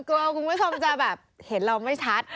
คุณผู้ชมจะแบบเห็นเราไม่ชัด